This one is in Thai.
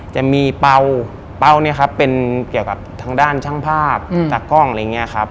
จะมีเป้าเนี่ยครับเป็นเกี่ยวกับทางด้านช่างภาพจากกล้องอะไรอย่างนี้ครับ